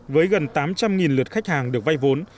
với gần tám trăm linh lượt khách hàng được vay vốn